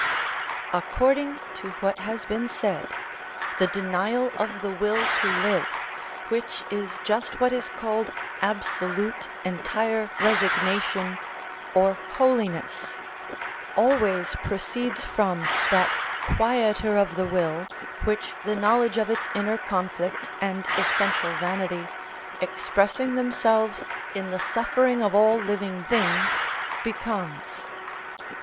According to what has been said, the denial of the will to live, which is just what is called absolute, entire resignation, or holiness, always proceeds from that quieter of the will which the knowledge of its inner conflict and essential vanity, expressing themselves in the suffering of all living things, becomes.